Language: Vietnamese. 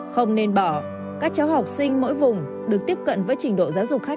không nên bỏ các cháu học sinh mỗi vùng được tiếp cận với trình độ giáo dục khác